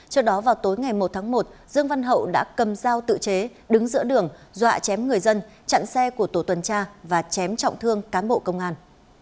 trước đó vào tối ngày một tháng một dương văn hậu đã cầm dao tự chế đứng giữa đường dọa chém người dân chặn xe của tổ tuần tra và chém trọng thương cán bộ công an